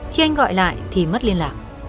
khi anh gọi lại thì mất liên lạc